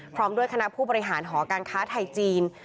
พร้อมด้วยคณะผู้บริหารหอการค้าไทยจีน